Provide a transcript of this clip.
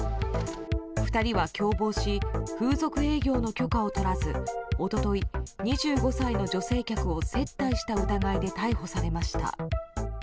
２人は共謀し風俗営業の許可を取らず一昨日、２５歳の女性客を接待した疑いで逮捕されました。